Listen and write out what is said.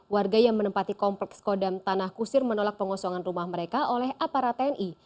warga yang menempati kompleks kodam tanah kusir menolak pengosongan rumah mereka oleh aparat tni